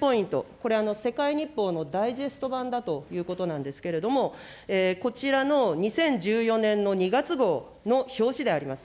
ポイント、これ、世界日報のダイジェスト版だということなんですけれども、こちらの２０１４年の２月号の表紙であります。